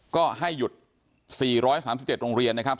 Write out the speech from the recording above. ก็ให้หยุด๔๓๗โรงเรียนนะครับ